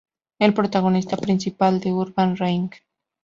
El protagonista principal de Urban Reign.